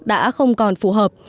đã không còn phù hợp